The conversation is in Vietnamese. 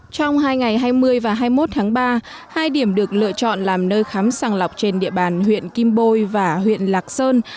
trong hai ngày hai mươi và hai mươi một tháng ba hai điểm được lựa chọn làm nơi khám sàng lọc trên địa bàn huyện kim bôi và huyện lạc sơn